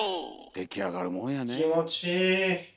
出来上がるもんやねえ。